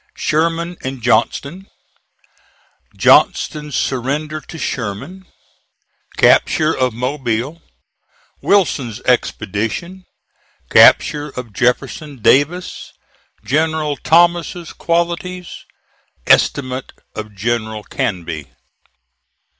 SHERMAN AND JOHNSTON JOHNSTON'S SURRENDER TO SHERMAN CAPTURE OF MOBILE WILSON'S EXPEDITION CAPTURE OF JEFFERSON DAVIS GENERAL THOMAS'S QUALITIES ESTIMATE OF GENERAL CANBY.